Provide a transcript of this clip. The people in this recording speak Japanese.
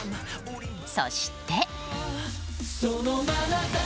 そして。